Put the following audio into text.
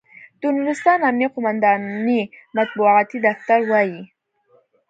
د نورستان امنیه قوماندانۍ مطبوعاتي دفتر وایي،